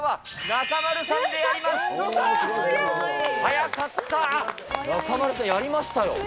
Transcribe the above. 中丸さん、やりましたよ。